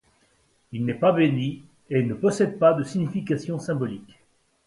Il n’est pas béni et ne possède pas de signification symbolique.